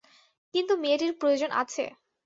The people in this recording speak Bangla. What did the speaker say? কিন্তু মেয়েটির প্রয়োজন আছে।